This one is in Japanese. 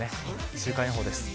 週間予報です。